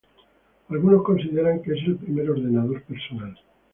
Algunos consideran que es el primer ordenador personal.